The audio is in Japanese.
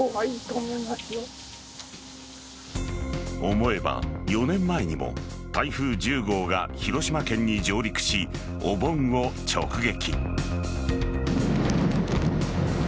思えば、４年前にも台風１０号が広島県に上陸しお盆を直撃。